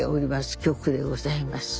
曲でございます。